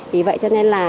vì vậy cho nên là